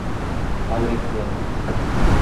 Auriflama